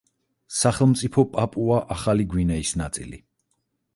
სახელმწიფო პაპუა-ახალი გვინეის ნაწილი.